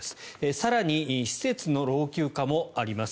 更に施設の老朽化もあります。